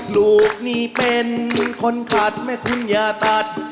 ลูกนี่เป็นคนตัดแม่คุณอย่าตัด